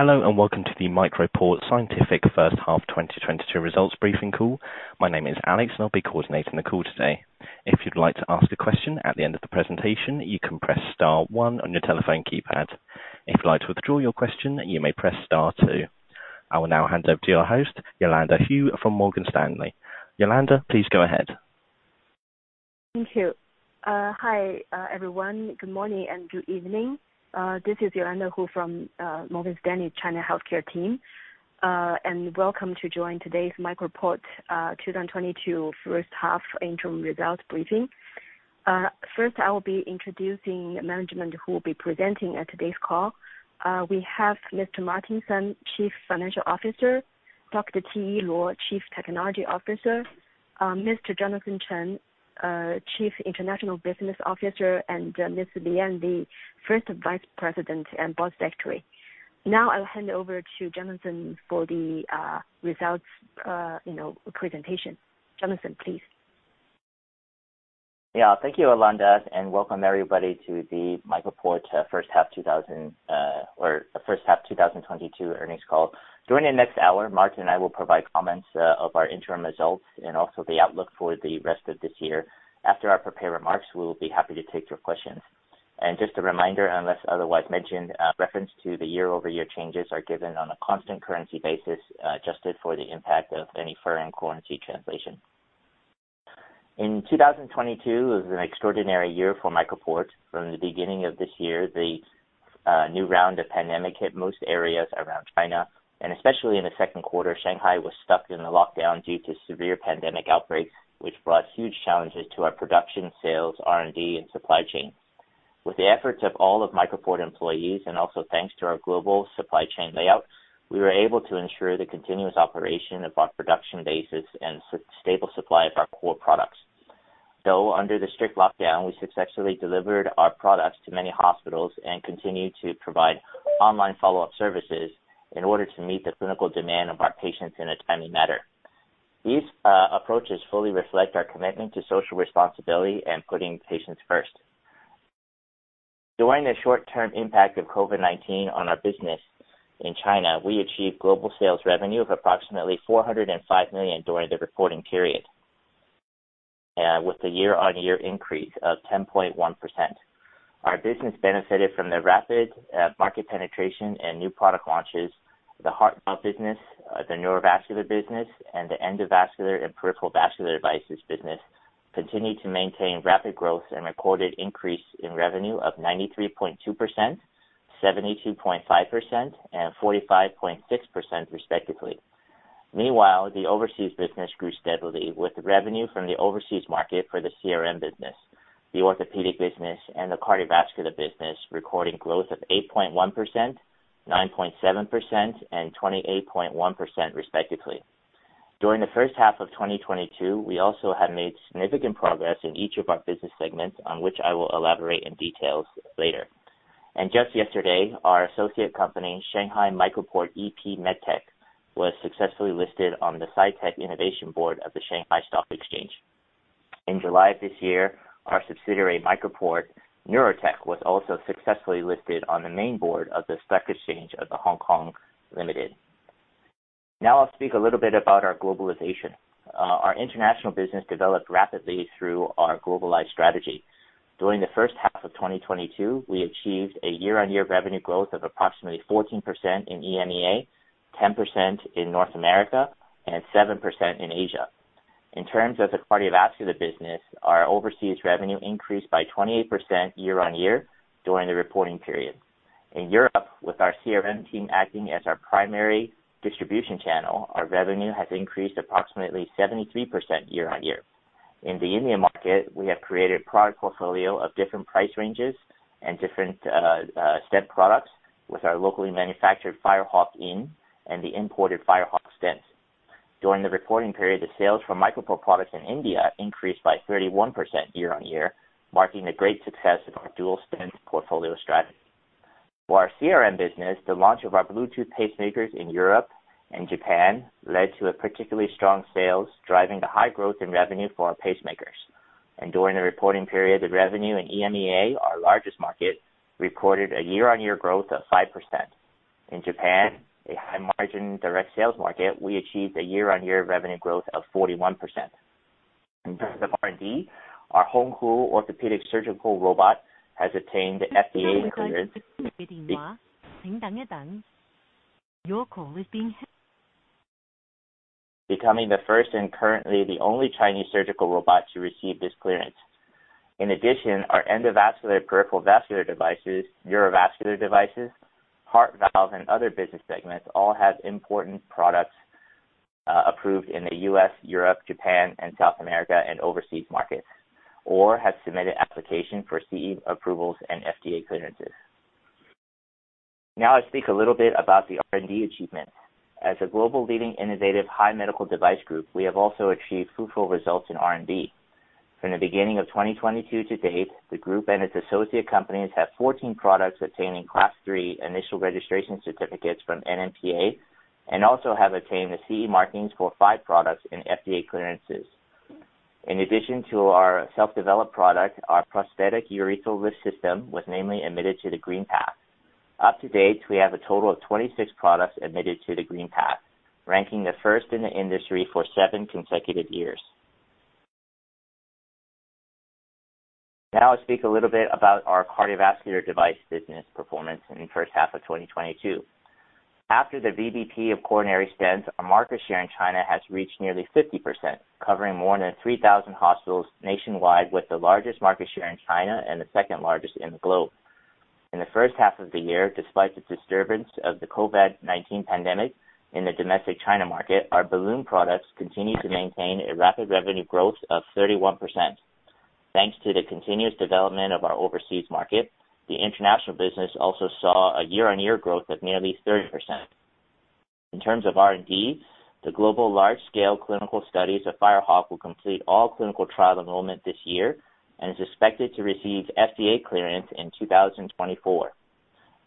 Hello, and welcome to the MicroPort Scientific First Half 2022 Results Briefing Call. My name is Alex and I'll be coordinating the call today. If you'd like to ask a question at the end of the presentation, you can press star one on your telephone keypad. If you'd like to withdraw your question, you may press star two. I will now hand over to your host, Yolanda Hu from Morgan Stanley. Yolanda, please go ahead. Thank you. Hi, everyone. Good morning and good evening. This is Yolanda Hu from Morgan Stanley China Healthcare Team. Welcome to join today's MicroPort 2022 first half interim results briefing. First, I will be introducing management who will be presenting at today's call. We have Mr. Hongbin Sun, Chief Financial Officer, Dr. Qiyi Luo, Chief Technology Officer, Mr. Jonathan Chen, Chief International Business Officer, and Mr. Lian, the First Vice President and Board Secretary. Now I'll hand over to Jonathan for the results, you know, presentation. Jonathan, please. Yeah. Thank you, Yolanda, and welcome everybody to the MicroPort first half 2022 earnings call. During the next hour, Hongbin Sun and I will provide comments of our interim results and also the outlook for the rest of this year. After our prepared remarks, we will be happy to take your questions. Just a reminder, unless otherwise mentioned, reference to the year-over-year changes are given on a constant currency basis, adjusted for the impact of any foreign currency translation. In 2022, it was an extraordinary year for MicroPort. From the beginning of this year, the new round of pandemic hit most areas around China, and especially in the second quarter, Shanghai was stuck in a lockdown due to severe pandemic outbreaks, which brought huge challenges to our production, sales, R&D and supply chain. With the efforts of all of MicroPort employees, and also thanks to our global supply chain layout, we were able to ensure the continuous operation of our production bases and stable supply of our core products. Though under the strict lockdown, we successfully delivered our products to many hospitals and continued to provide online follow-up services in order to meet the clinical demand of our patients in a timely manner. These approaches fully reflect our commitment to social responsibility and putting patients first. During the short-term impact of COVID-19 on our business in China, we achieved global sales revenue of approximately 405 million during the reporting period, with a year-on-year increase of 10.1%. Our business benefited from the rapid market penetration and new product launches. The heart valve business, the neurovascular business, and the endovascular and peripheral vascular devices business continued to maintain rapid growth and reported increase in revenue of 93.2%, 72.5%, and 45.6% respectively. Meanwhile, the overseas business grew steadily, with revenue from the overseas market for the CRM business, the orthopedic business, and the cardiovascular business recording growth of 8.1%, 9.7%, and 28.1% respectively. During the first half of 2022, we also have made significant progress in each of our business segments on which I will elaborate in details later. Just yesterday, our associate company, Shanghai MicroPort EP MedTech, was successfully listed on the STAR Board of the Shanghai Stock Exchange. In July of this year, our subsidiary, MicroPort NeuroTech, was also successfully listed on the main board of The Stock Exchange of Hong Kong Limited. Now I'll speak a little bit about our globalization. Our international business developed rapidly through our globalized strategy. During the first half of 2022, we achieved a year-on-year revenue growth of approximately 14% in EMEA, 10% in North America, and 7% in Asia. In terms of the cardiovascular business, our overseas revenue increased by 28% year-on-year during the reporting period. In Europe, with our CRM team acting as our primary distribution channel, our revenue has increased approximately 73% year-on-year. In the Indian market, we have created product portfolio of different price ranges and different stent products with our locally manufactured Firehawk IN and the imported Firehawk stents. During the reporting period, the sales for MicroPort products in India increased by 31% year-on-year, marking the great success of our dual stent portfolio strategy. For our CRM business, the launch of our Bluetooth pacemakers in Europe and Japan led to a particularly strong sales, driving the high growth in revenue for our pacemakers. During the reporting period, the revenue in EMEA, our largest market, reported a year-on-year growth of 5%. In Japan, a high margin direct sales market, we achieved a year-on-year revenue growth of 41%. In terms of R&D, our Honghu Orthopedic Surgical Robot has obtained FDA clearance, becoming the first and currently the only Chinese surgical robot to receive this clearance. In addition, our endovascular peripheral vascular devices, neurovascular devices, heart valve, and other business segments all have important products approved in the U.S., Europe, Japan, and South America, and overseas markets, or have submitted application for CE approvals and FDA clearances. Now I'll speak a little bit about the R&D achievement. As a global leading innovative high medical device group, we have also achieved fruitful results in R&D. From the beginning of 2022 to date, the group and its associate companies have 14 products attaining Class III initial registration certificates from NMPA, and also have attained the CE markings for five products and FDA clearances. In addition to our self-developed product, our prostatic urethral lift system was namely admitted to the Green Path. Up to date, we have a total of 26 products admitted to the Green Path, ranking the first in the industry for seven consecutive years. Now I'll speak a little bit about our cardiovascular device business performance in the first half of 2022. After the VBP of coronary stents, our market share in China has reached nearly 50%, covering more than 3,000 hospitals nationwide, with the largest market share in China and the second-largest in the globe. In the first half of the year, despite the disturbance of the COVID-19 pandemic in the domestic China market, our balloon products continued to maintain a rapid revenue growth of 31%. Thanks to the continuous development of our overseas market, the international business also saw a year-on-year growth of nearly 30%. In terms of R&D, the global large-scale clinical studies of Firehawk will complete all clinical trial enrollment this year and is expected to receive FDA clearance in 2024.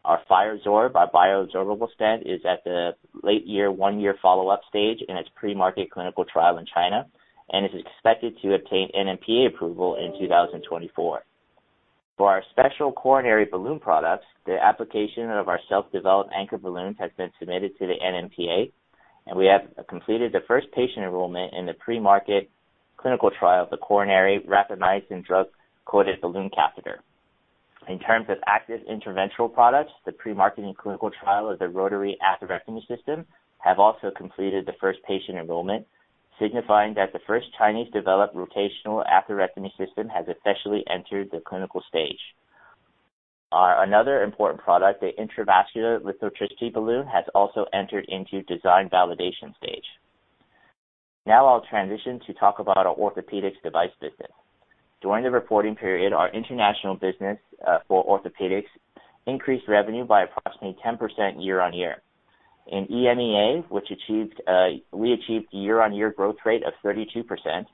Our Firesorb, our bioresorbable stent, is at the late-stage, one-year follow-up stage in its pre-market clinical trial in China and is expected to obtain NMPA approval in 2024. For our special coronary balloon products, the application of our self-developed anchor balloons has been submitted to the NMPA, and we have completed the first patient enrollment in the pre-market clinical trial of the coronary rapamycin drug-coated balloon catheter. In terms of active interventional products, the pre-marketing clinical trial of the rotary atherectomy system have also completed the first patient enrollment, signifying that the first Chinese-developed rotational atherectomy system has officially entered the clinical stage. Another important product, the intravascular lithotripsy balloon, has also entered into design validation stage. Now I'll transition to talk about our orthopedics device business. During the reporting period, our international business for orthopedics increased revenue by approximately 10% year-on-year. In EMEA, we achieved year-on-year growth rate of 32%,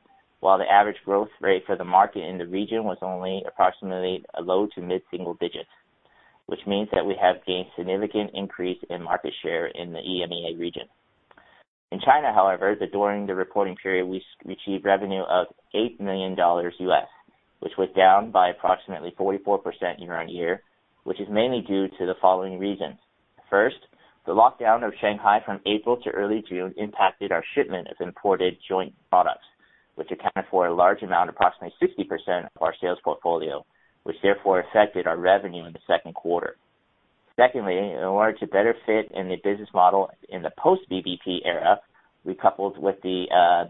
while the average growth rate for the market in the region was only approximately low- to mid-single digits, which means that we have gained significant increase in market share in the EMEA region. In China, however, during the reporting period, we received revenue of $8 million, which was down by approximately 44% year-on-year, which is mainly due to the following reasons. First, the lockdown of Shanghai from April to early June impacted our shipment of imported joint products, which accounted for a large amount, approximately 60% of our sales portfolio, which therefore affected our revenue in the second quarter. Secondly, in order to better fit in the business model in the post-VBP era, we coupled with the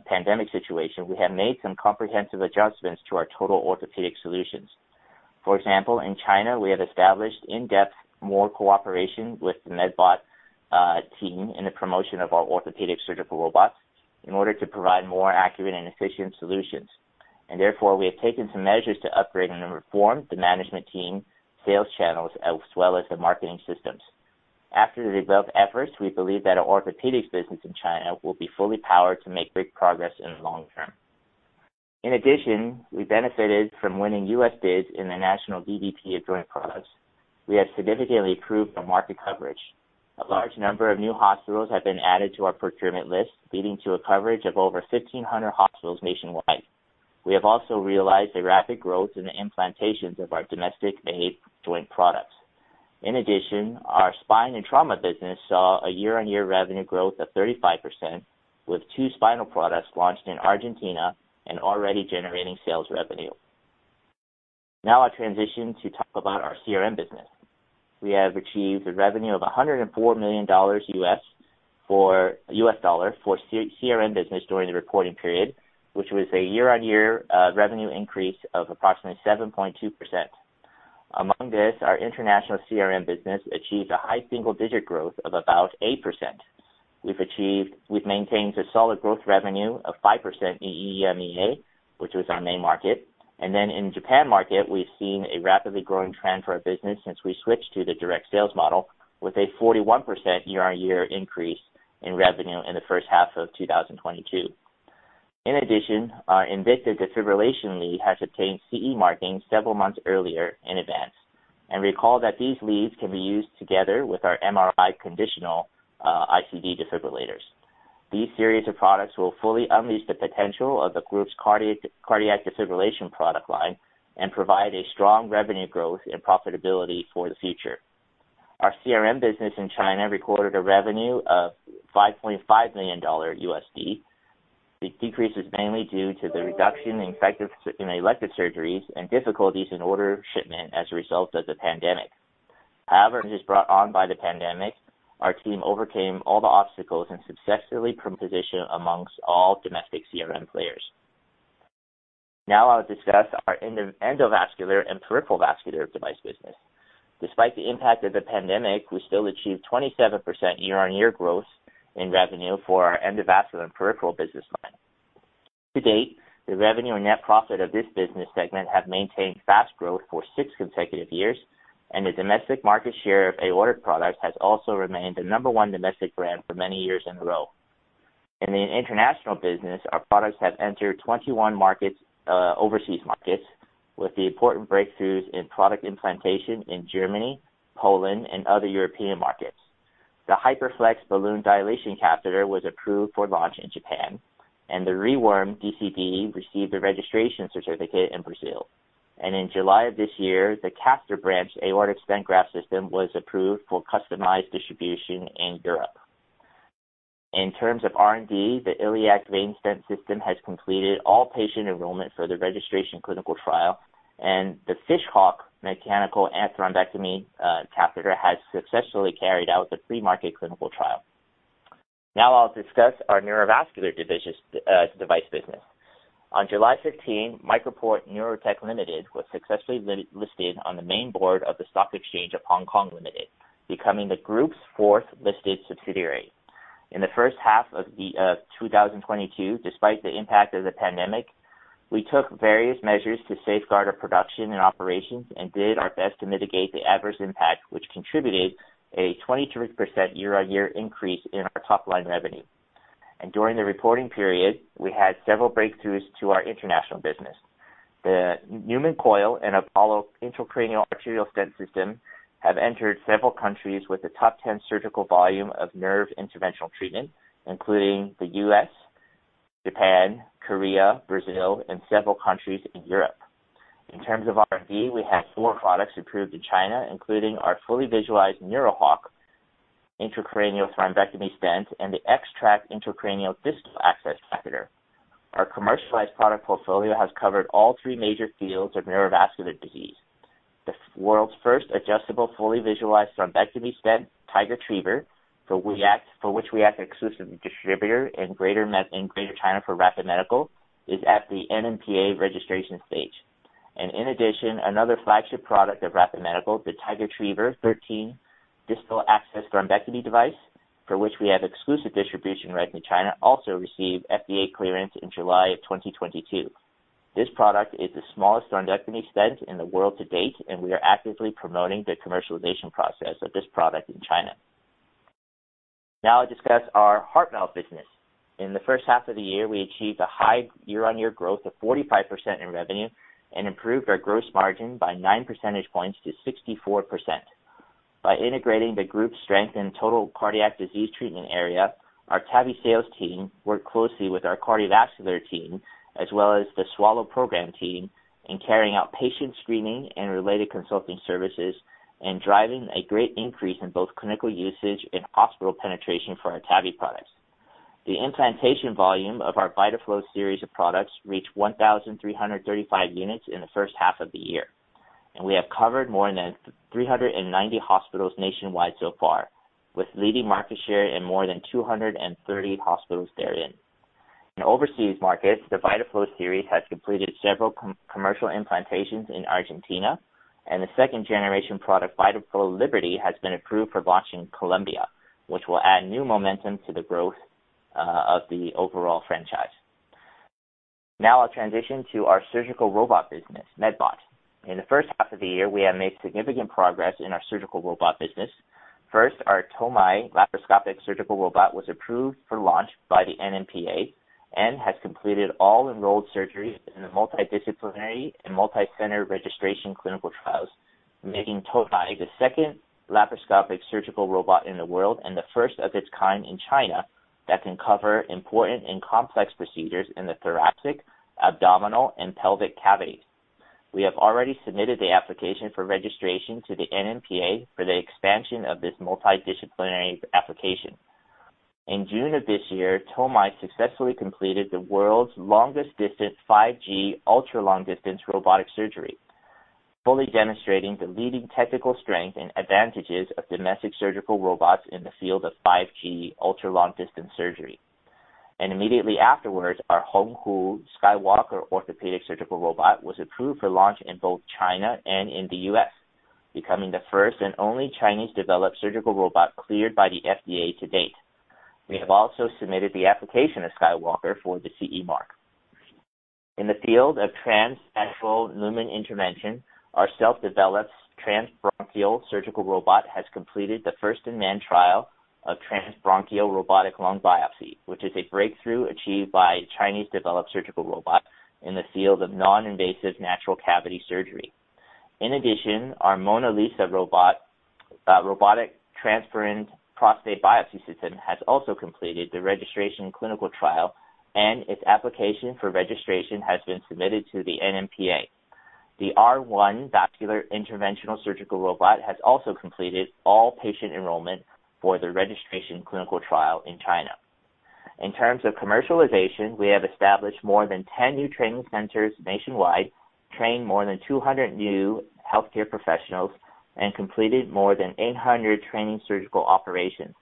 pandemic situation, we have made some comprehensive adjustments to our total orthopedic solutions. For example, in China, we have established in-depth more cooperation with the MedBot team in the promotion of our orthopedic surgical robots in order to provide more accurate and efficient solutions. Therefore, we have taken some measures to upgrade and reform the management team, sales channels, as well as the marketing systems. After the above efforts, we believe that our orthopedics business in China will be fully powered to make great progress in the long term. In addition, we benefited from winning U.S. bids in the national VBP of joint products. We have significantly improved the market coverage. A large number of new hospitals have been added to our procurement list, leading to a coverage of over 1,500 hospitals nationwide. We have also realized a rapid growth in the implantations of our domestic-made joint products. In addition, our spine and trauma business saw a year-on-year revenue growth of 35%, with two spinal products launched in Argentina and already generating sales revenue. Now I'll transition to talk about our CRM business. We have achieved a revenue of $104 million U.S. dollar for CRM business during the reporting period, which was a year-on-year revenue increase of approximately 7.2%. Among this, our international CRM business achieved a high single-digit growth of about 8%. We've maintained a solid growth revenue of 5% in EMEA, which was our main market. In Japan market, we've seen a rapidly growing trend for our business since we switched to the direct sales model with a 41% year-on-year increase in revenue in the first half of 2022. In addition, our Invicta defibrillation lead has obtained CE marking several months earlier in advance. Recall that these leads can be used together with our MRI-conditional, ICD Defibrillators. These series of products will fully unleash the potential of the group's cardiac defibrillation product line and provide a strong revenue growth and profitability for the future. Our CRM business in China recorded a revenue of $5.5 million. The decrease is mainly due to the reduction in elective surgeries and difficulties in order shipment as a result of the pandemic. However, just brought on by the pandemic, our team overcame all the obstacles and successfully positioned amongst all domestic CRM players. Now I'll discuss our endovascular and peripheral vascular device business. Despite the impact of the pandemic, we still achieved 27% year-on-year growth in revenue for our endovascular and peripheral business line. To date, the revenue and net profit of this business segment have maintained fast growth for six consecutive years, and the domestic market share of aortic products has also remained the number one domestic brand for many years in a row. In the international business, our products have entered 21 markets, overseas markets, with the important breakthroughs in product implantation in Germany, Poland, and other European markets. The Hyperflex Balloon Dilation Catheter was approved for launch in Japan, and the ReeKNOW DCB received a registration certificate in Brazil. In July of this year, the Castor branched aortic stent graft system was approved for customized distribution in Europe. In terms of R&D, the iliac vein stent system has completed all patient enrollment for the registration clinical trial, and the Fishhawk Mechanical Thrombectomy Catheter has successfully carried out the pre-market clinical trial. Now I'll discuss our neurovascular device business. On July 15th, MicroPort NeuroTech Limited was successfully listed on the main board of The Stock Exchange of Hong Kong Limited, becoming the group's fourth-listed subsidiary. In the first half of 2022, despite the impact of the pandemic, we took various measures to safeguard our production and operations and did our best to mitigate the adverse impact, which contributed a 23% year-on-year increase in our top-line revenue. During the reporting period, we had several breakthroughs to our international business. The NUMEN Coil and APOLLO Intracranial Stent System have entered several countries with a top ten surgical volume of neurointerventional treatment, including the U.S., Japan, Korea, Brazil, and several countries in Europe. In terms of R&D, we have four products approved in China, including our fully visualized NeuroHawk Intracranial Thrombectomy Stent and the X-track Intracranial Distal Access Catheter. Our commercialized product portfolio has covered all three major fields of neurovascular disease. The world's first adjustable, fully visualized thrombectomy stent, TIGERTRIEVER, for which we act as exclusive distributor in Greater China for Rapid Medical, is at the NMPA registration stage. In addition, another flagship product of Rapid Medical, the Tigertriever 13 distal access thrombectomy device, for which we have exclusive distribution right in China, also received FDA clearance in July 2022. This product is the smallest thrombectomy stent in the world to date, and we are actively promoting the commercialization process of this product in China. Now I'll discuss our heart valve business. In the first half of the year, we achieved a high year-on-year growth of 45% in revenue and improved our gross margin by nine percentage points to 64%. By integrating the group's strength in total cardiac disease treatment area, our TAVI sales team worked closely with our cardiovascular team, as well as the FireSwallow Program team in carrying out patient screening and related consulting services and driving a great increase in both clinical usage and hospital penetration for our TAVI products. The implantation volume of our VitaFlow series of products reached 1,335 units in the first half of the year, and we have covered more than 390 hospitals nationwide so far, with leading market share in more than 230 hospitals therein. In overseas markets, the VitaFlow series has completed several commercial implantations in Argentina, and the second-generation product, VitaFlow Liberty, has been approved for launch in Colombia, which will add new momentum to the growth of the overall franchise. Now I'll transition to our surgical robot business, MedBot. In the first half of the year, we have made significant progress in our surgical robot business. First, our Toumai laparoscopic surgical robot was approved for launch by the NMPA and has completed all enrolled surgeries in the multidisciplinary and multicenter registration clinical trials, making Toumai the second laparoscopic surgical robot in the world and the first of its kind in China that can cover important and complex procedures in the thoracic, abdominal, and pelvic cavities. We have already submitted the application for registration to the NMPA for the expansion of this multidisciplinary application. In June of this year, Toumai successfully completed the world's longest distance 5G ultra-long-distance robotic surgery, fully demonstrating the leading technical strength and advantages of domestic surgical robots in the field of 5G ultra-long-distance surgery. Immediately afterwards, our Honghu SkyWalker Orthopedic Surgical Robot was approved for launch in both China and in the U.S., becoming the first and only Chinese-developed surgical robot cleared by the FDA to date. We have also submitted the application of SkyWalker for the CE mark. In the field of transnatural lumen intervention, our self-developed transbronchial surgical robot has completed the first-in-man trial of transbronchial robotic lung biopsy, which is a breakthrough achieved by Chinese-developed surgical robot in the field of non-invasive natural cavity surgery. In addition, our Mona Lisa robot, robotic transperineal prostate biopsy system, has also completed the registration clinical trial, and its application for registration has been submitted to the NMPA. The R-ONE Vascular Interventional Surgical Robot has also completed all patient enrollment for the registration clinical trial in China. In terms of commercialization, we have established more than 10 new training centers nationwide, trained more than 200 new healthcare professionals, and completed more than 800 training surgical operations,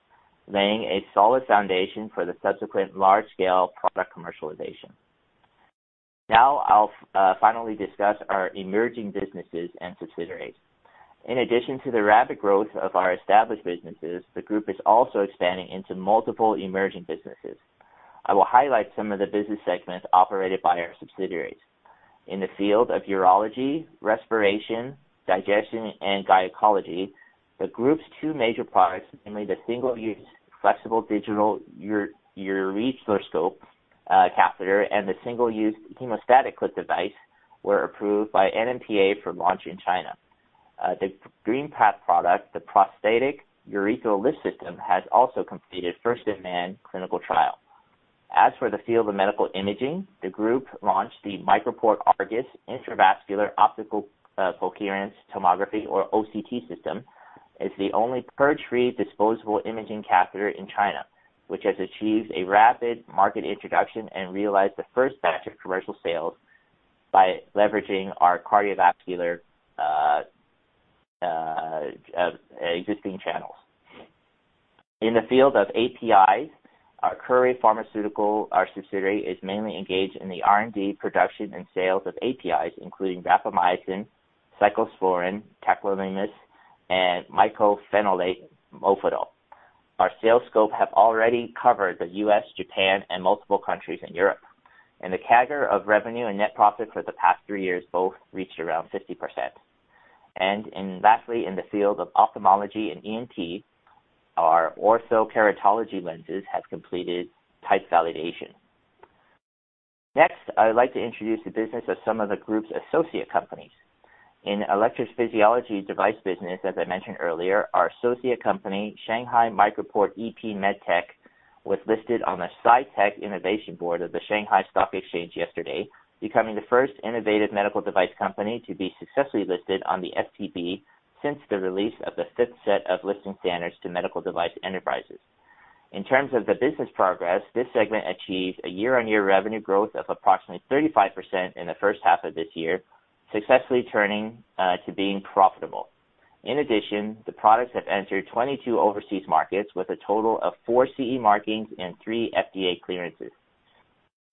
laying a solid foundation for the subsequent large-scale product commercialization. Now I'll finally discuss our emerging businesses and subsidiaries. In addition to the rapid growth of our established businesses, the group is also expanding into multiple emerging businesses. I will highlight some of the business segments operated by our subsidiaries. In the field of urology, respiration, digestion, and gynecology, the group's two major products, namely the single-use flexible digital ureteroscope catheter and the single-use hemostatic clip device were approved by NMPA for launch in China. The Green Path product, the prostatic urethral lift system, has also completed first-in-man clinical trial. As for the field of medical imaging, the group launched the MicroPort Argus Intravascular Optical Coherence Tomography or OCT system. It's the only purge-free disposable imaging catheter in China, which has achieved a rapid market introduction and realized the first batch of commercial sales by leveraging our cardiovascular existing channels. In the field of APIs, our Kerui Pharmaceutical, our subsidiary, is mainly engaged in the R&D production and sales of APIs, including rapamycin, cyclosporine, tacrolimus, and mycophenolate mofetil. Our sales scope have already covered the U.S., Japan, and multiple countries in Europe. The CAGR of revenue and net profit for the past three years both reached around 50%. Lastly, in the field of ophthalmology and ENT, our orthokeratology lenses have completed type validation. Next, I would like to introduce the business of some of the group's associate companies. In electrophysiology device business, as I mentioned earlier, our associate company, Shanghai MicroPort EP MedTech, was listed on the Sci-Tech Innovation Board of the Shanghai Stock Exchange yesterday, becoming the first innovative medical device company to be successfully listed on the STB since the release of the fifth set of listing standards to medical device enterprises. In terms of the business progress, this segment achieved a year-on-year revenue growth of approximately 35% in the first half of this year, successfully turning to being profitable. In addition, the products have entered 22 overseas markets with a total of four CE markings and three FDA clearances.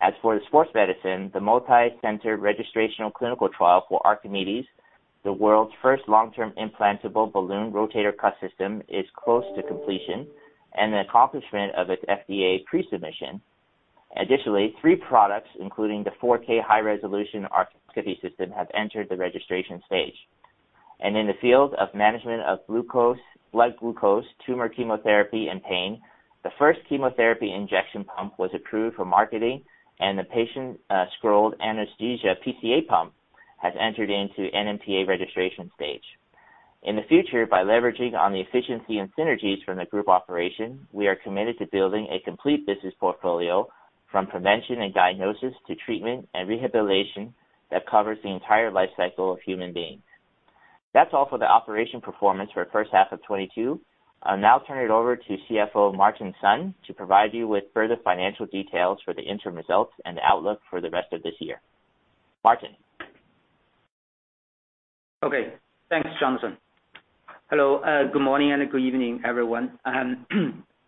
As for the sports medicine, the multicenter registrational clinical trial for Archimedes, the world's first long-term implantable balloon rotator cuff system, is close to completion, and the accomplishment of its FDA pre-submission. Additionally, three products, including the 4K high-resolution arthroscopy system, have entered the registration stage. In the field of management of blood glucose, tumor chemotherapy, and pain, the first chemotherapy injection pump was approved for marketing, and the patient controlled anesthesia PCA pump has entered into NMPA registration stage. In the future, by leveraging on the efficiency and synergies from the group operation, we are committed to building a complete business portfolio from prevention and diagnosis to treatment and rehabilitation that covers the entire life cycle of human beings. That's all for the operation performance for first half of 2022. I'll now turn it over to CFO, Hongbin Sun, to provide you with further financial details for the interim results and the outlook for the rest of this year. Hongbin Sun? Okay. Thanks, Jonathan. Hello. Good morning and good evening, everyone.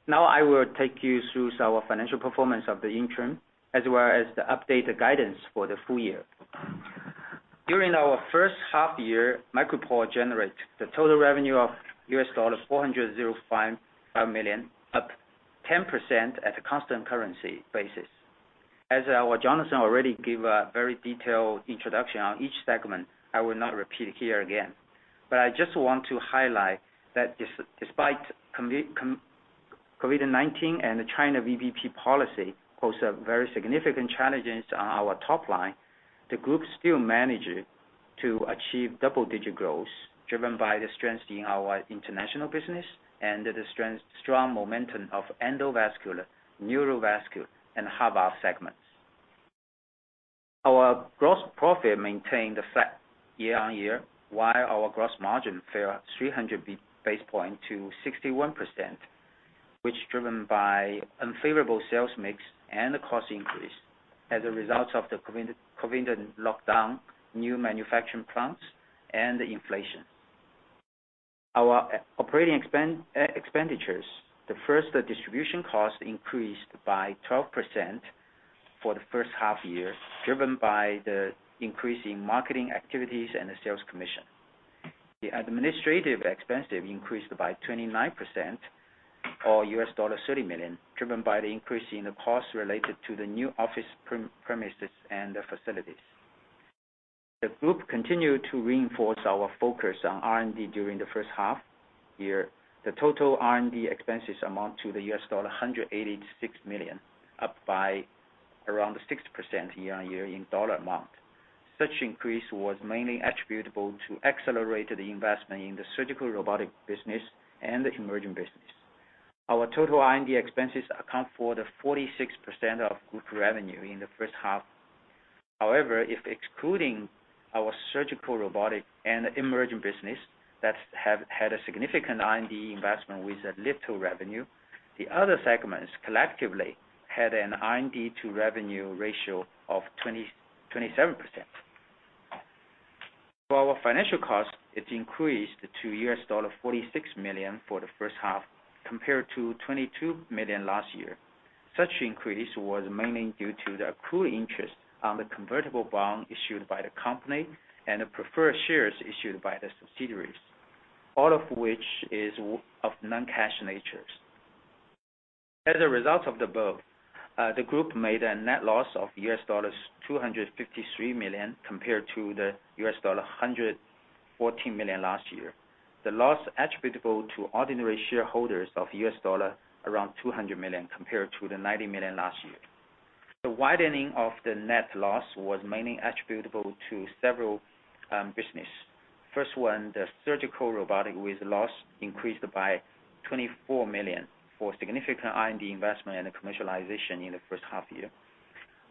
Now I will take you through our financial performance of the interim, as well as the updated guidance for the full year. During our first half year, MicroPort generate the total revenue of $405 million, up 10% at a constant currency basis. As our Jonathan already gave a very detailed introduction on each segment, I will not repeat it here again. I just want to highlight that despite COVID-19 and the China VBP policy pose a very significant challenges on our top line, the group still managed to achieve double-digit growth, driven by the strength in our international business and the strong momentum of endovascular, neurovascular, and. As a result of both, the group made a net loss of $253 million compared to the $114 million last year. The loss attributable to ordinary shareholders of around $200 million compared to the $90 million last year. The widening of the net loss was mainly attributable to several business. First one, the surgical robotics, with loss increased by $24 million for significant R&D investment and commercialization in the first half year.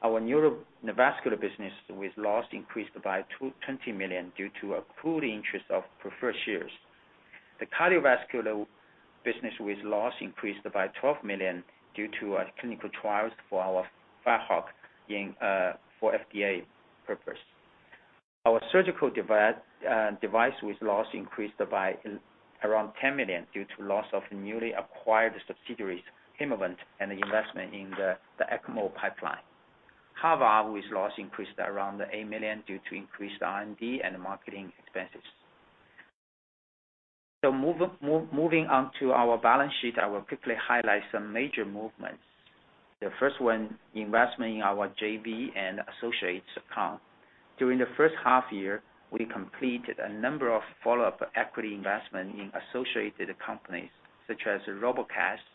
Our neurovascular business with loss increased by 20 million due to accrued interest of preferred shares. The cardiovascular business with loss increased by 12 million due to our clinical trials for our Firehawk being for FDA purpose. Our surgical device with loss increased by around 10 million due to loss of newly acquired subsidiaries, Hemovent, and the investment in the ECMO pipeline. However, with loss increased around 8 million due to increased R&D and marketing expenses. Moving on to our balance sheet, I will quickly highlight some major movements. The first one, investment in our JV and associates account. During the first half year, we completed a number of follow-up equity investment in associated companies such as Robocast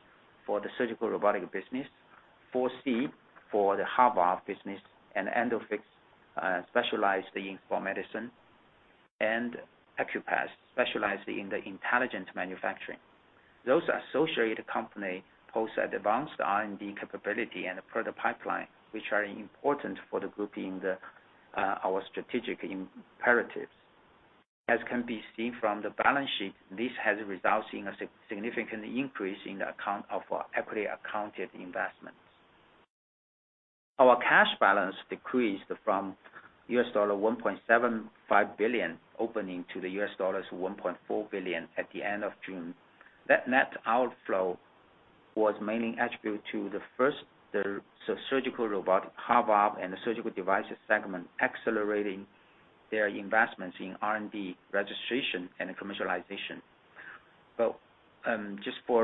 for the surgical robotic business, Precise for the Hubot business, and EndoPhix specializing for medicine, and AccuPath, specializing in the intelligent manufacturing. Those associated companies pose advanced R&D capability and a product pipeline, which are important for the group in our strategic imperatives. As can be seen from the balance sheet, this has resulted in a significant increase in the amount of our equity accounted investments. Our cash balance decreased from $1.75 billion opening to $1.4 billion at the end of June. That net outflow was mainly attributed to the first, the surgical robotic Hubot and the surgical devices segment, accelerating their investments in R&D registration and commercialization. Just to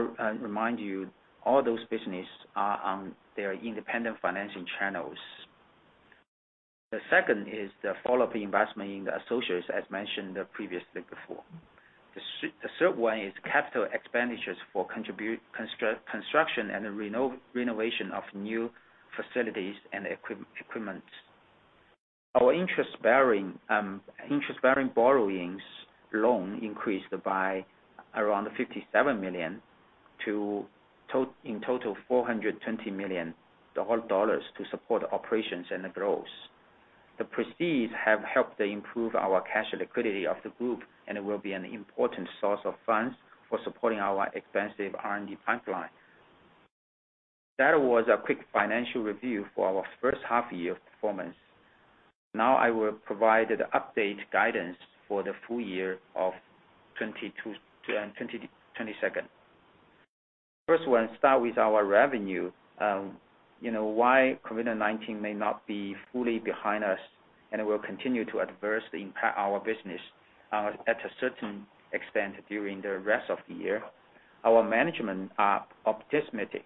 remind you, all those businesses are on their independent financing channels. The second is the follow-up investment in the associates, as mentioned previously. The third one is capital expenditures for construction and renovation of new facilities and equipment. Our interest bearing borrowings loan increased by around $57 million to total $420 million to support operations and the growth. The proceeds have helped improve our cash liquidity of the group, and it will be an important source of funds for supporting our extensive R&D pipeline. That was a quick financial review for our first half year performance. Now I will provide the update guidance for the full year of 2022. First one, start with our revenue. You know, while COVID-19 may not be fully behind us and will continue to adversely impact our business to a certain extent during the rest of the year. Our management are optimistic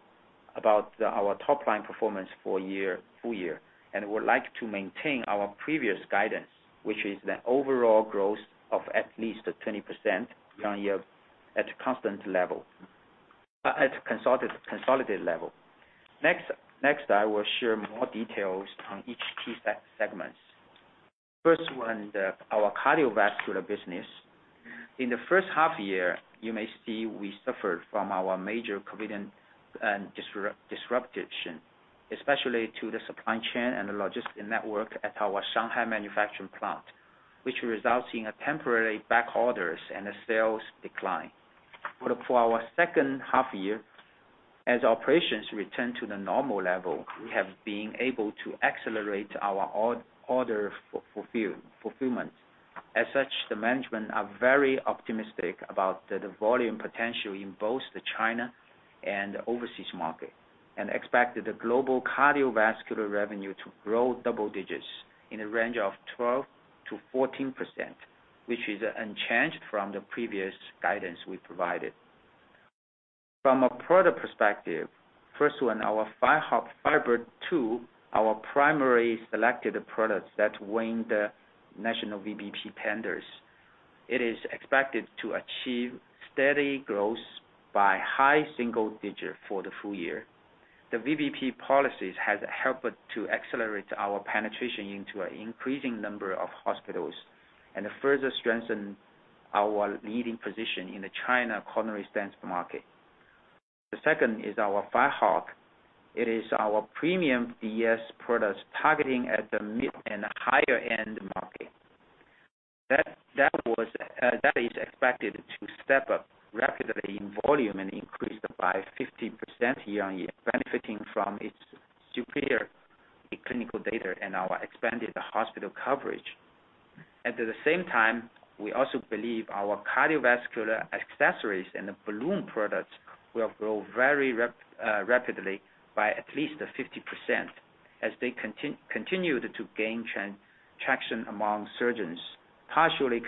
about our top line performance for year, full year, and would like to maintain our previous guidance, which is the overall growth of at least 20% year-on-year at constant level at consolidated level. Next, I will share more details on each key segments. First one, our cardiovascular business. In the first half year, you may see we suffered from our major COVID disruption, especially to the supply chain and the logistics network at our Shanghai manufacturing plant, which results in a temporary back orders and a sales decline. For our second half year, as operations return to the normal level, we have been able to accelerate our order fulfillment. As such, the management are very optimistic about the volume potential in both the China and overseas market, and expect the global cardiovascular revenue to grow double digits in a range of 12%-14%, which is unchanged from the previous guidance we provided. From a product perspective, first one, our Firebird2, our primary selected products that win the national VBP tenders. It is expected to achieve steady growth by high single digit for the full year. The VBP policies has helped to accelerate our penetration into an increasing number of hospitals and further strengthen our leading position in the China coronary stents market. The second is our Firehawk. It is our premium DES products targeting at the mid and higher end market. That is expected to step up rapidly in volume and increase by 50% year-on-year, benefiting from its superior clinical data and our expanded hospital coverage. At the same time, we also believe our cardiovascular accessories and the balloon products will grow very rapidly by at least 50% as they continue to gain traction among surgeons, partially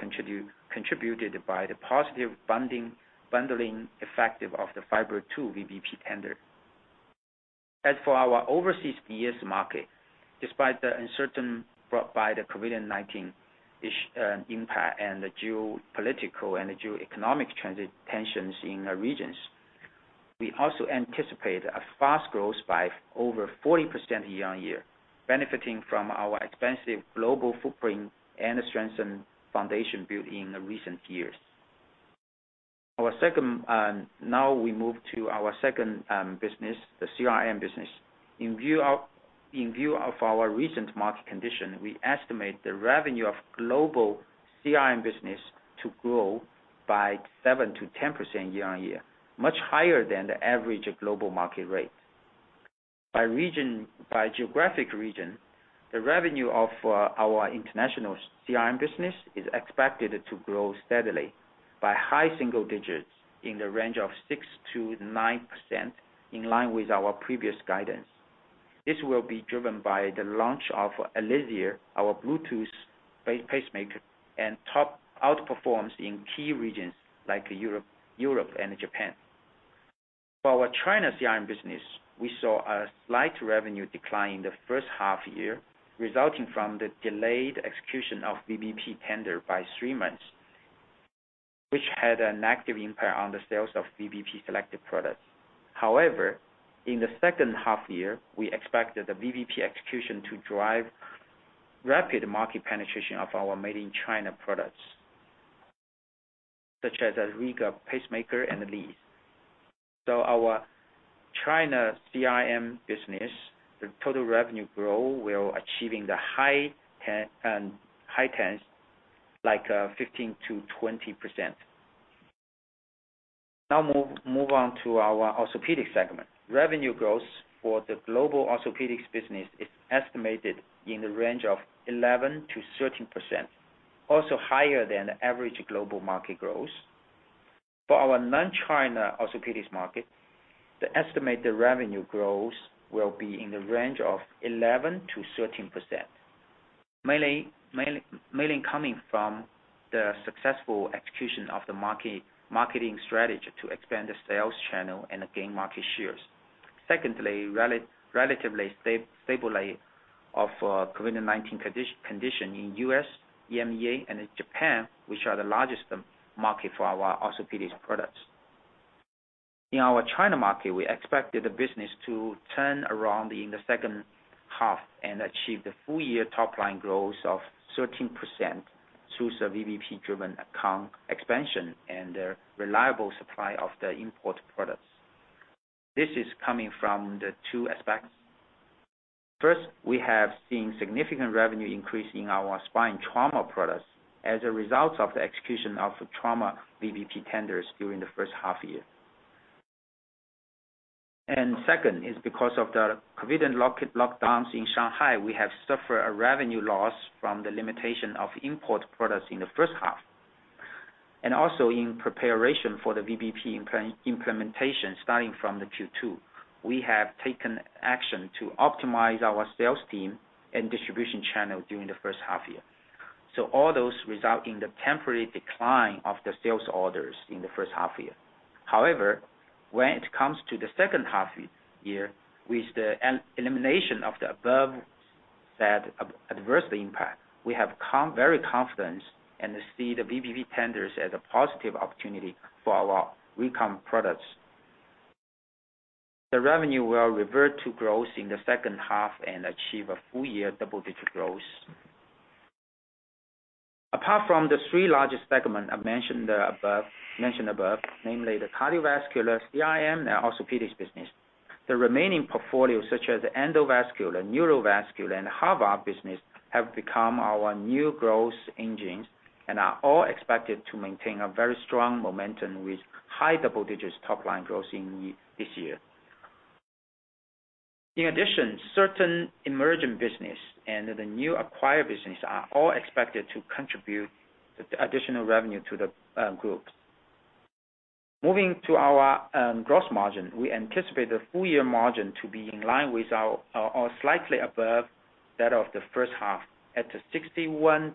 contributed by the positive bundling effect of the Firebird2 VBP tender. As for our overseas EP market, despite the uncertainty brought by the COVID-19 impact and the geopolitical and the geoeconomic tensions in the regions, we also anticipate a fast growth by over 40% year-on-year, benefiting from our expansive global footprint and the strengthened foundation built in the recent years. Now we move to our second business, the CRM business. In view of our recent market condition, we estimate the revenue of global CRM business to grow by 7%-10% year-on-year, much higher than the average global market rate. By geographic region, the revenue of our international CRM business is expected to grow steadily by high single digits in the range of 6%-9% in line with our previous guidance. This will be driven by the launch of Alizea, our Bluetooth pacemaker, and top performance in key regions like Europe and Japan. For our China CRM business, we saw a slight revenue decline in the first half year, resulting from the delayed execution of VBP tender by three months, which had an adverse impact on the sales of VBP selective products. However, in the second half year, we expect that the VBP execution to drive rapid market penetration of our made-in-China products, such as Rega pacemaker and Alizea. Our China CRM business, the total revenue growth will achieve the high tens like 15%-20%. Now move on to our orthopedic segment. Revenue growth for the global orthopedics business is estimated in the range of 11%-13%, also higher than the average global market growth. For our non-China orthopedics market, the estimated revenue growth will be in the range of 11%-13%, mainly coming from the successful execution of the marketing strategy to expand the sales channel and gain market shares. Secondly, relatively stability of COVID-19 condition in U.S., EMEA, and Japan, which are the largest market for our orthopedics products. In our China market, we expected the business to turn around in the second half and achieve the full year top line growth of 13% through the VBP-driven account expansion and the reliable supply of the import products. This is coming from the two aspects. First, we have seen significant revenue increase in our spine trauma products as a result of the execution of trauma VBP tenders during the first half year. Second is because of the COVID lockdowns in Shanghai, we have suffered a revenue loss from the limitation of import products in the first half. Also in preparation for the VBP implementation starting from the Q2, we have taken action to optimize our sales team and distribution channel during the first half year. All those result in the temporary decline of the sales orders in the first half year. However, when it comes to the second half year, with the elimination of the above said adverse impact, we have considerable confidence and see the VBP tenders as a positive opportunity for our recurring products. The revenue will revert to growth in the second half and achieve a full year double-digit growth. Apart from the three largest segments I've mentioned above, namely the cardiovascular, CRM, and orthopedics business, the remaining portfolio such as endovascular, neurovascular, and heart valve business have become our new growth engines and are all expected to maintain a very strong momentum with high double digits top line growth in this year. In addition, certain emerging business and the new acquired business are all expected to contribute the additional revenue to the group. Moving to our gross margin, we anticipate the full year margin to be in line with our or slightly above that of the first half at 61%-63%.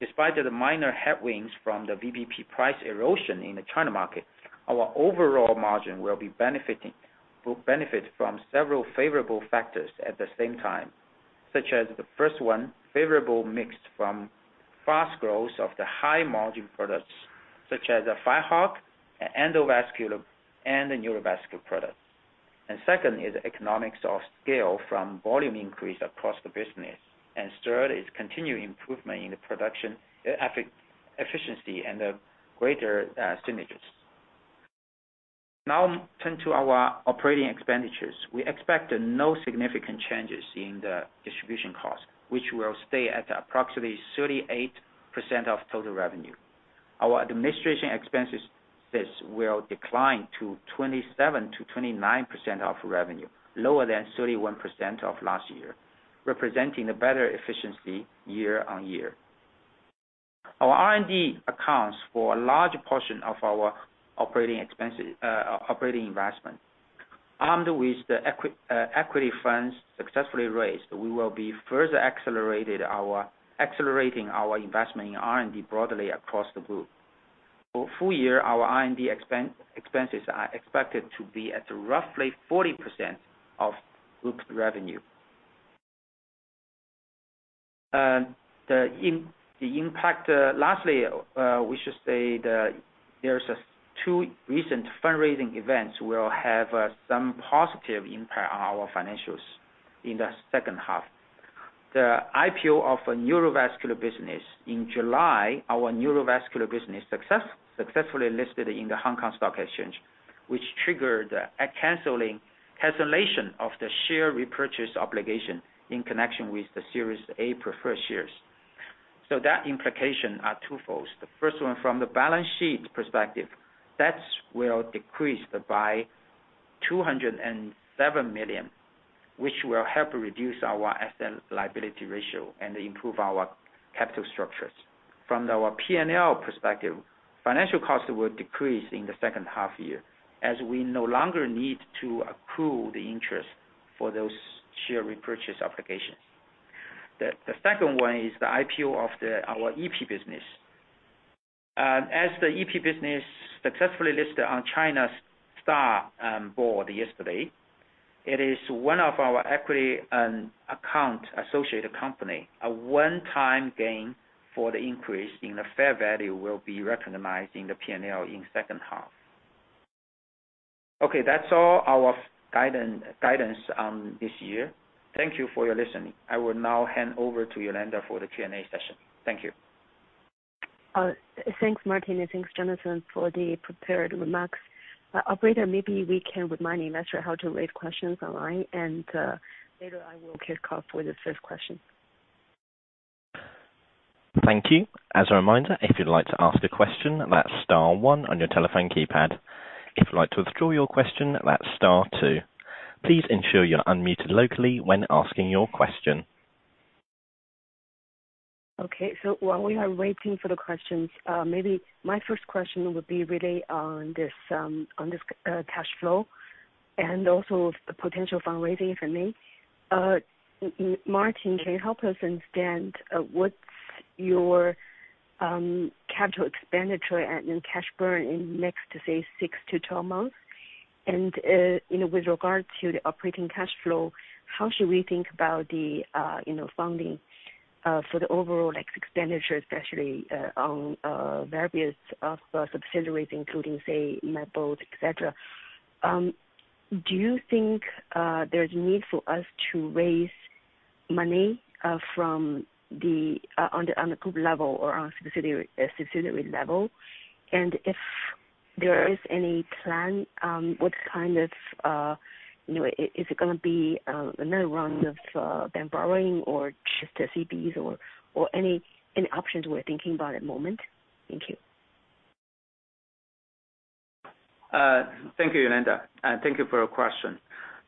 Despite the minor headwinds from the VBP price erosion in the China market, our overall margin will benefit from several favorable factors at the same time, such as the first one, favorable mix from fast growth of the high margin products such as Firehawk, endovascular and the neurovascular products. Second is economics of scale from volume increase across the business. Third is continued improvement in the production efficiency and the greater synergies. Now turn to our operating expenditures. We expect no significant changes in the distribution cost, which will stay at approximately 38% of total revenue. Our administration expenses will decline to 27%-29% of revenue, lower than 31% of last year, representing a better efficiency year-on-year. Our R&D accounts for a large portion of our operating expenses, operating investment. Armed with the equity funds successfully raised, we will be accelerating our investment in R&D broadly across the group. For full year, our R&D expenses are expected to be at roughly 40% of group revenue. The impact, lastly, we should say that there's two recent fundraising events will have some positive impact on our financials in the second half. The IPO of our neurovascular business. In July, our neurovascular business successfully listed in the Hong Kong Stock Exchange, which triggered a cancellation of the share repurchase obligation in connection with the Series A preferred shares. That implication are twofold. The first one, from the balance sheet perspective, that will decrease by 207 million, which will help reduce our asset liability ratio and improve our capital structures. From our P&L perspective, financial costs will decrease in the second half year as we no longer need to accrue the interest for those share repurchase obligations. The second one is the IPO of our EP business. As the EP business successfully listed on China's STAR Board yesterday, it is one of our equity-accounted associated company. A one-time gain for the increase in the fair value will be recognized in the P&L in second half. Okay. That's all our guidance this year. Thank you for listening. I will now hand over to Yolanda for the Q&A session. Thank you. Thanks, Hongbin Sun, and thanks, Jonathan, for the prepared remarks. Operator, maybe we can remind investors how to raise questions online and later I will kick off with the first question. Thank you. As a reminder, if you'd like to ask a question, that's star one on your telephone keypad. If you'd like to withdraw your question, that's star two. Please ensure you're unmuted locally when asking your question. While we are waiting for the questions, maybe my first question would be really on this cash flow and also the potential fundraising, if any. Hongbin Sun, can you help us understand what's your capital expenditure and cash burn in next, say, six to twelve months? You know, with regard to the operating cash flow, how should we think about the, you know, funding for the overall, like, expenditure, especially on various subsidiaries, including, say, Medbot, et cetera. Do you think there's need for us to raise money on the group level or on subsidiary level? If there is any plan, what kind of, you know, is it gonna be, another round of, bond borrowing or just the CBs or any options we're thinking about at the moment? Thank you. Thank you, Yolanda. Thank you for your question.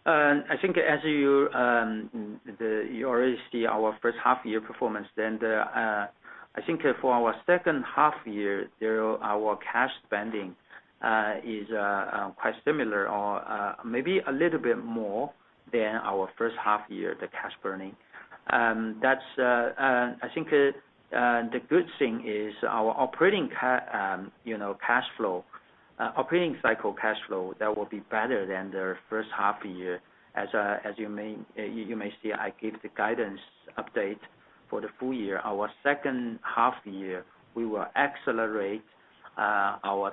I think as you already see our first half year performance, for our second half year, our cash spending is quite similar or maybe a little bit more than our first half year, the cash burning. That's the good thing is our operating cash flow, you know, operating cycle cash flow, that will be better than the first half year. As you may see, I gave the guidance update for the full year. Our second half year, we will accelerate our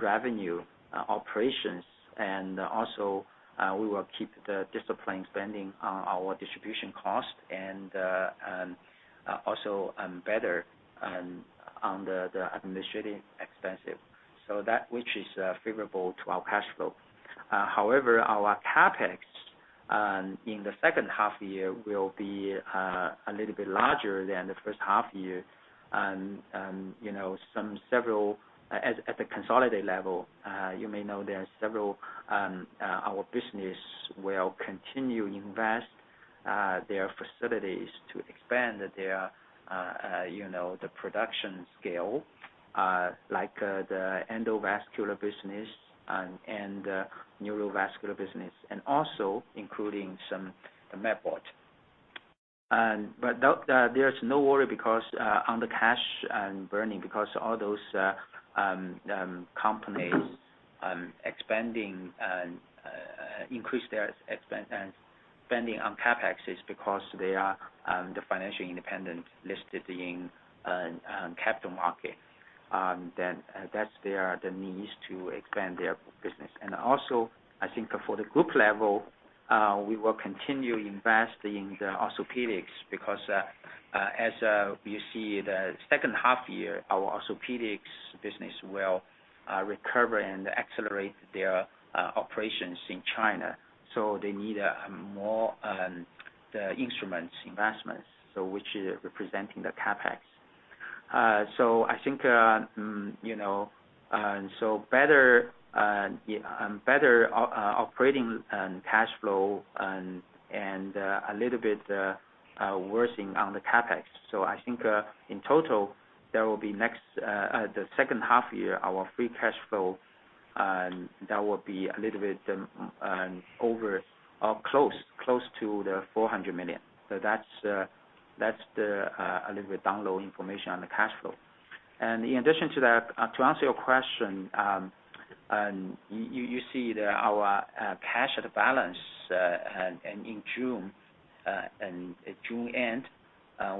revenue operations, and also we will keep the discipline spending on our distribution cost and also better on the administrative expenses. That which is favorable to our cash flow. However, our CapEx in the second half year will be a little bit larger than the first half year. You know, several at the consolidated level, you may know there are several our business will continue invest their facilities to expand their you know the production scale like the endovascular business and the neurovascular business, and also including some MedBot. But that, there's no worry because on the cash burning because all those companies expanding and increase their spending on CapEx is because they are the financial independent listed in capital market. Then that's their the needs to expand their business. I think for the group level, we will continue investing the orthopedics because, as you see the second half year, our orthopedics business will recover and accelerate their operations in China. They need more the instruments investments, which is representing the CapEx. I think, you know, better operating cash flow and a little bit worsening on the CapEx. I think, in total, there will be next the second half year, our free cash flow. And that will be a little bit over or close to 400 million. That's the a little bit lowdown information on the cash flow. To answer your question, you see that our cash at the balance in June and at June end,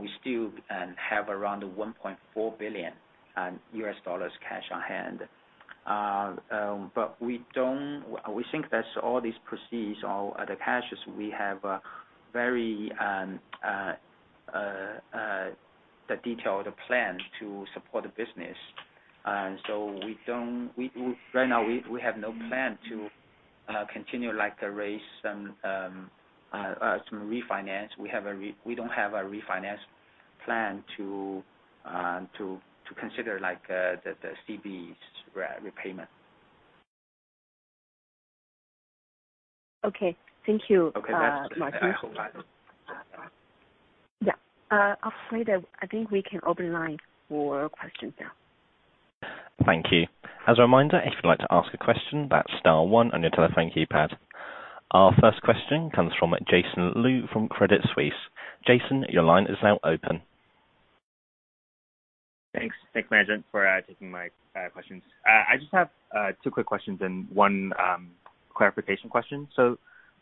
we still have around $1.4 billion cash on hand. But we don't. We think that all these proceeds or the cashes we have very detailed plan to support the business. So we don't. Right now we have no plan to continue like to raise some refinance. We don't have a refinance plan to consider, like, the CB's repayment. Okay. Thank you. Okay. That's, I hope that. Yeah. Operator, I think we can open line for questions now. Thank you. As a reminder, if you'd like to ask a question, that's star one on your telephone keypad. Our first question comes from Jason Liu from Credit Suisse. Jason, your line is now open. Thanks. Thanks management for taking my questions. I just have two quick questions and one clarification question.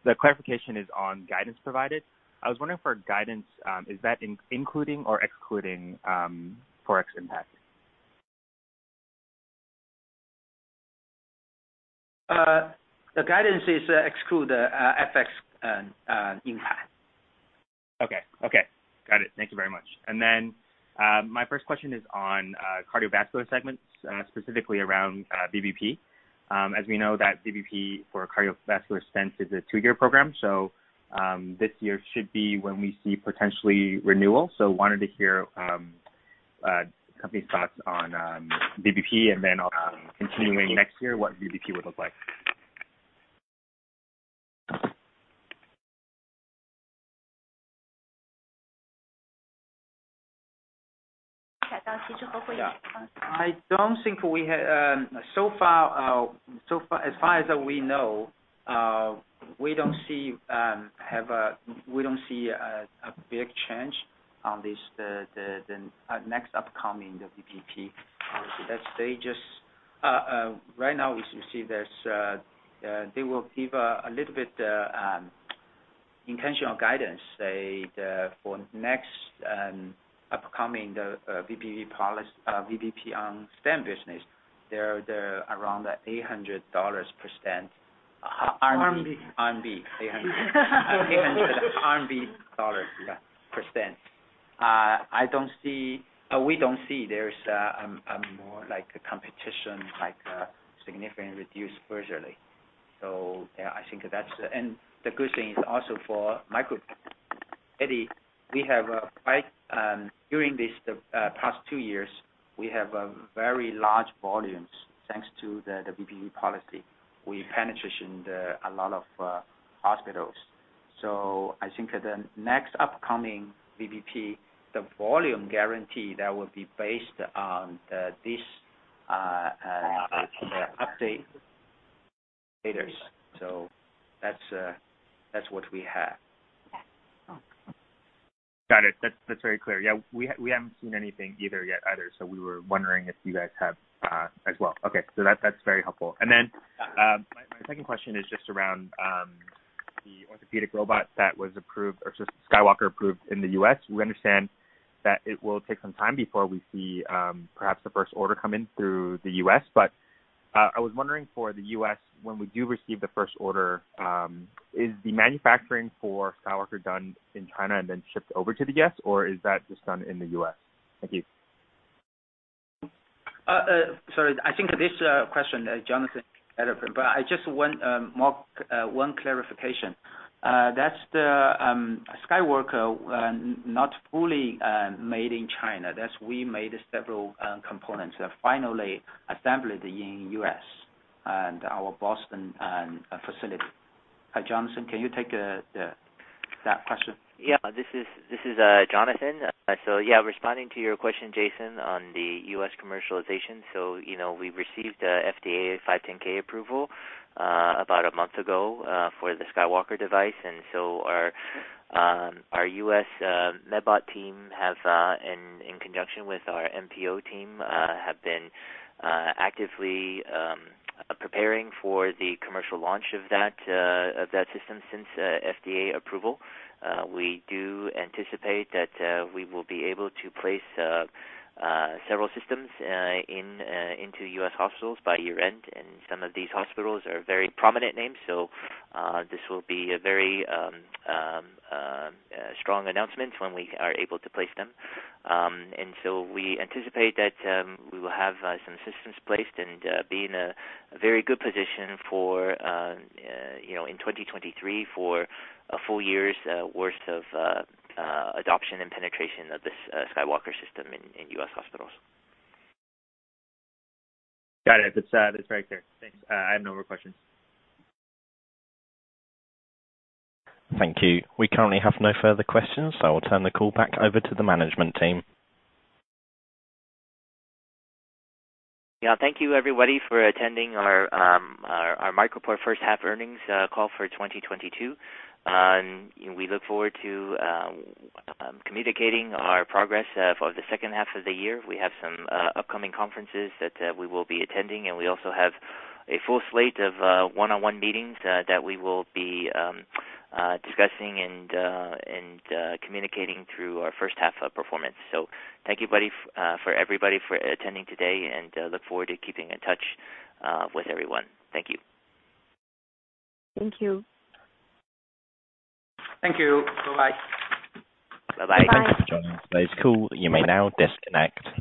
The clarification is on guidance provided. I was wondering for guidance, is that including or excluding Forex impact? The guidance is exclude FX impact. Okay. Got it. Thank you very much. My first question is on cardiovascular segments, specifically around VBP. As we know that VBP for cardiovascular stents is a two-year program, so this year should be when we see potentially renewal. Wanted to hear company's thoughts on VBP and then also continuing next year, what VBP would look like. I don't think we have. So far, as far as we know, we don't see a big change on the next upcoming VBP policy. At this stage, right now we see that they will give a little bit initial guidance. For the next upcoming VBP on stent business. They're around RMB 800 per stent. RMB. 800 RMB, yeah, per stent. We don't see there's more competition like significant reduction virtually. Yeah, I think that's. The good thing is also for MicroPort. Eddie, we have a very large volumes during this past two years thanks to the VBP policy. We penetrated a lot of hospitals. I think the next upcoming VBP, the volume guarantee that will be based on this, the update later. That's what we have. Yeah. Okay. Got it. That's very clear. Yeah, we haven't seen anything yet either, so we were wondering if you guys have as well. Okay. That's very helpful. My second question is just around the orthopedic robot that was approved or just SkyWalker approved in the U.S. We understand that it will take some time before we see perhaps the first order come in through the U.S. But I was wondering for the U.S., when we do receive the first order, is the manufacturing for SkyWalker done in China and then shipped over to the U.S. or is that just done in the U.S.? Thank you. I think this question, Jonathan, better. But I just want one more clarification. That's the SkyWalker not fully made in China. That is, we made several components. They're finally assembled in U.S. and our Boston facility. Jonathan, can you take that question? Yeah. This is Jonathan. Responding to your question, Jason, on the U.S. commercialization. You know, we received a FDA 510(k) approval about a month ago for the SkyWalker device. Our U.S. MedBot team, in conjunction with our MPO team, have been actively preparing for the commercial launch of that system since FDA approval. We do anticipate that we will be able to place several systems into U.S. hospitals by year-end, and some of these hospitals are very prominent names. This will be a very strong announcement when we are able to place them. We anticipate that we will have some systems placed and be in a very good position for, you know, in 2023 for a full year's worth of adoption and penetration of this SkyWalker system in U.S. hospitals. Got it. That's very clear. Thanks. I have no more questions. Thank you. We currently have no further questions, so I will turn the call back over to the management team. Yeah. Thank you everybody for attending our MicroPort first half earnings call for 2022. We look forward to communicating our progress for the second half of the year. We have some upcoming conferences that we will be attending, and we also have a full slate of one-on-one meetings that we will be discussing and communicating through our first half of performance. Thank you again, everybody for attending today and look forward to keeping in touch with everyone. Thank you. Thank you. Thank you. Bye-bye. Bye-bye. Bye-bye. Thanks for joining today's call. You may now disconnect.